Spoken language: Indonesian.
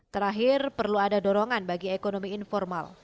terakhir perlu ada dorongan bagi ekonomi informal